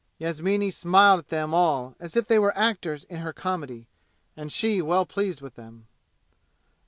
Yasmini smiled at them all as if they were actors in her comedy, and she well pleased with them.